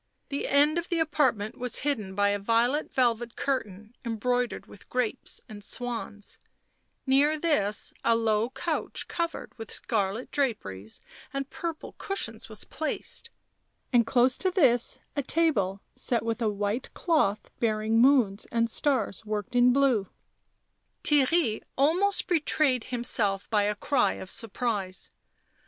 The end of the apartment was hidden by a violet velvet curtain embre^iered w T ith grapes and swans; near this a low couch covered with scarlet draperies and purple cushions was placed, and close to this a table, set with a white cloth bearing moons and stars worked in blue. Theirry almost betrayed himself by a cry of surprise.